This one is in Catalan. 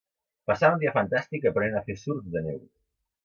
Passant un dia fantàstic aprenent a fer surf de neu.